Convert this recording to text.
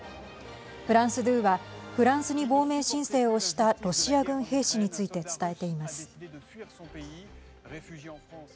フランス２はフランスに亡命申請をしたロシア軍兵士について伝えています。